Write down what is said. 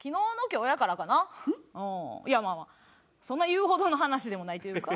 いやまあまあそんな言うほどの話でもないというか。